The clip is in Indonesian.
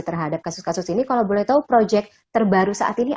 terhadap kasus kasus ini kalau boleh tahu proyek terbaru saat ini